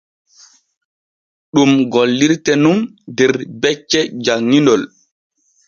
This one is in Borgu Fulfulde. Ɗum gollirte nun der becce janŋinol f́́́́́́́.